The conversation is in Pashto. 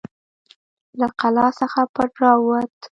له قلا څخه پټ راووت.